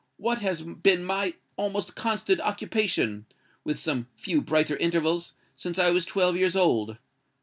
What has been my almost constant occupation—with some few brighter intervals—since I was twelve years old?